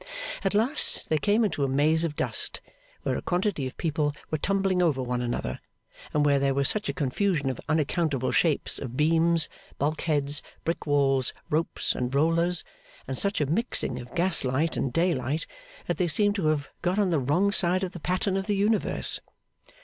At last they came into a maze of dust, where a quantity of people were tumbling over one another, and where there was such a confusion of unaccountable shapes of beams, bulkheads, brick walls, ropes, and rollers, and such a mixing of gaslight and daylight, that they seemed to have got on the wrong side of the pattern of the universe.